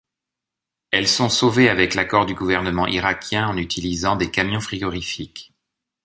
Elles sont sauvées avec l'accord du gouvernement irakien en utilisant des camions frigorifiques.